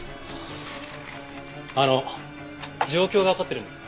あの状況がわかってるんですか？